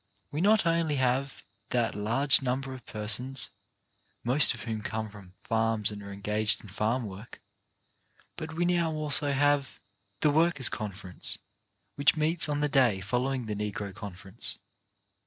We not only have that large number of persons, most of whom come from farms and are engaged in farm work, but we now also have "The Workers' Conference," which meets on the day following the Negro Conference.